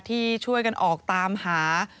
ที่ช่วยกันออกตามหา